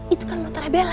itu kan motornya bella